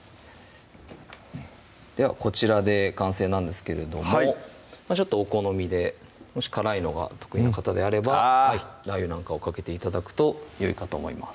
ではこちらで完成なんですけれどもちょっとお好みでもし辛いのが得意な方であればラー油なんかをかけて頂くとよいかと思います